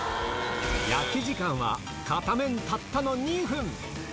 焼き時間は片面たったの２分。